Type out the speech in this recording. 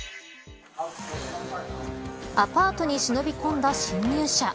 アパートに忍び込んだ侵入者。